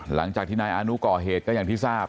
หลังจากที่นายอานุก่อเหตุก็อย่างที่ทราบ